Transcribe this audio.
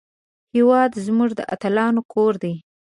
هېواد زموږ د اتلانو کور دی